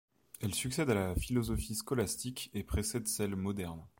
Elle succède à la philosophie scolastique et précède celle moderne.